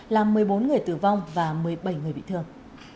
làm một mươi bốn người tử vong và một mươi bảy người bị thương